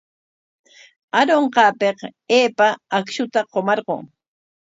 Arunqaapik aypa akshuta qumarqun.